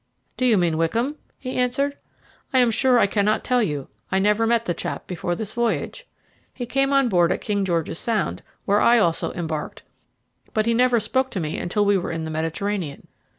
"Do you mean Wickham?" he answered. "I am sure I cannot tell you. I never met the chap before this voyage. He came on board at King George's Sound, where I also embarked; but he never spoke to me until we were in the Mediterranean.